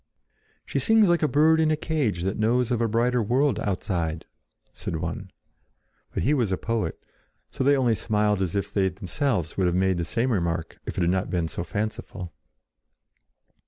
"She sings like a bird in a cage that knows of a brighter world outside," said one. But he was a poet, so they only smiled as if they themselves would have made the same remark if it had not been so fanciful.